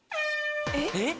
えっ？